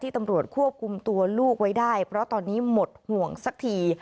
ตำรวจควบคุมตัวลูกไว้ได้เพราะตอนนี้หมดห่วงสักที